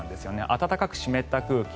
暖かく湿った空気